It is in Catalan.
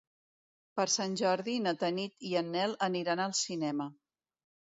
Per Sant Jordi na Tanit i en Nel aniran al cinema.